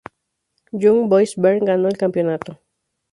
Young Boys Bern ganó el campeonato.